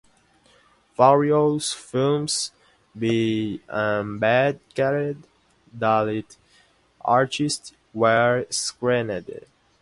Various films by ambedkarite dalit artists were screened.